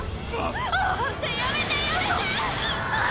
・・やめてやめて！